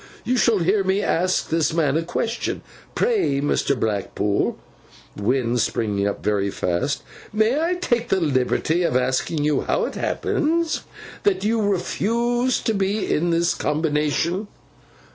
You shall hear me ask this man a question. Pray, Mr. Blackpool'—wind springing up very fast—'may I take the liberty of asking you how it happens that you refused to be in this Combination?